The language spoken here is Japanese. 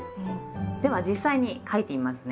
では実際に書いてみますね。